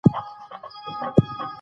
کویلیو په مادیت باور نه لري.